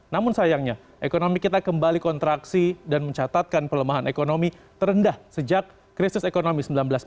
namun sayangnya ekonomi kita kembali kontraksi dan mencatatkan pelemahan ekonomi terendah sejak krisis ekonomi seribu sembilan ratus enam puluh